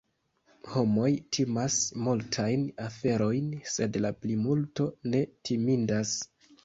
Homoj timas multajn aferojn, sed la plimulto ne timindas.